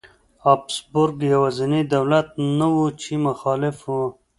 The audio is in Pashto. هابسبورګ یوازینی دولت نه و چې مخالف و.